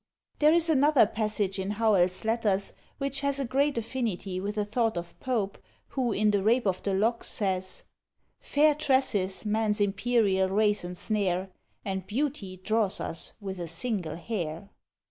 There is another passage in "Howell's Letters," which has a great affinity with a thought of Pope, who, in "the Rape of the Lock," says, Fair tresses man's imperial race ensnare, And beauty draws us with a single hair.